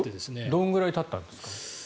どのぐらいたったんですか？